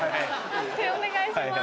判定お願いします。